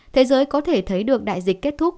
thế giới có thể thấy được đại dịch kết thúc